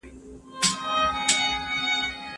که شاګرد خپله هڅه ونکړي تیزس به یې د تل لپاره نیمګړی وي.